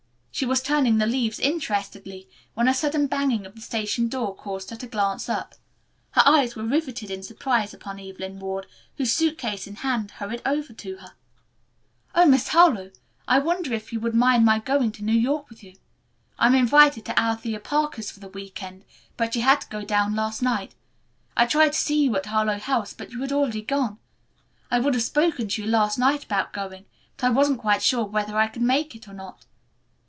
She was turning the leaves interestedly when a sudden banging of the station door caused her to glance up. Her eyes were riveted in surprise upon Evelyn Ward, who, suit case in hand, hurried over to her with, "Oh, Miss Harlowe, I wonder if you would mind my going to New York with you. I am invited to Althea Parker's for the week end, but she had to go down last night. I tried to see you at Harlowe House, but you had already gone. I would have spoken to you last night about going, but I wasn't quite sure whether I could make it or not."